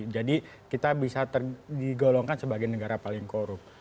jadi kita bisa digolongkan sebagai negara paling korup